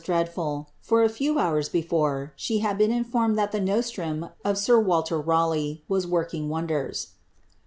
841 dreadful) for a few hours before, she had been informed that the nostrum of sir Walter Raleigh was working wonders.